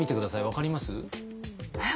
分かります？え？